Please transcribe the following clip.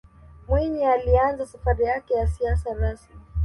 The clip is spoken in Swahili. mwinyi aliianza safari yake ya siasa rasmi